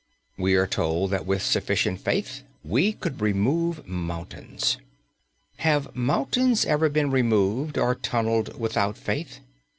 We are told that with sufficient faith we could remove mountains. Have mountains ever been removed or tunnelled without faith?